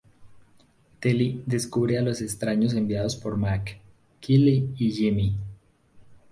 Teddy descubre a los extraños enviados por Mac, Kelly y Jimmy.